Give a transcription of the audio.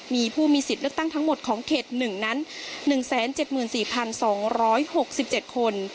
มีผู้มีสิทธิ์เลือกตั้งทั้งหมดของเขต๑นั้น๑๗๔๒๖๗คน